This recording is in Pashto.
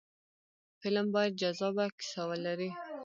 فلم باید جذابه کیسه ولري